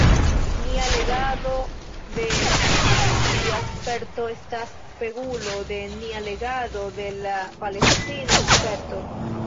Nia legado de lia sperto estas spegulo por nia legado de la palestina sperto.